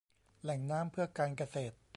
แหล่งน้ำเพื่อการเกษตร